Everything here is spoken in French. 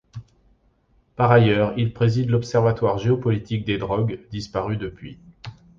Par ailleurs, il préside l'Observatoire géopolitique des drogues, disparu depuis.